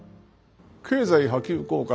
経済波及効果